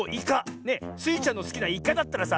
スイちゃんのすきなイカだったらさ